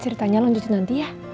ceritanya lanjutin nanti ya